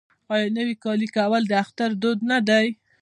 آیا نوی کالی کول د اختر دود نه دی؟